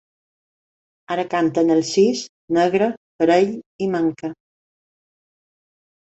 Ara canten el sis, negre, parell i manca.